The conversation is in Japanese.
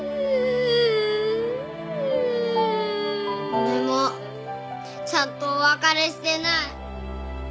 俺もちゃんとお別れしてない。